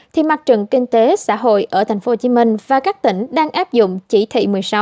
thì mặt trận kinh tế xã hội ở tp hcm và các tỉnh đang áp dụng chỉ thị một mươi sáu